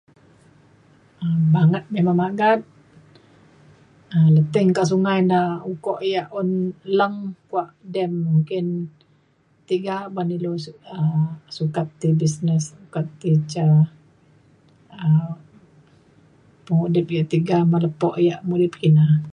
um banget memang magat um leting kak sungai da ukok yak un leng kuak dam nggin tiga ban ilu su- um sukat ti business sukat ti ca um pengudip yak tiga me lepo yak mudip kina